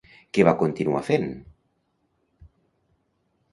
Què va continuar fent?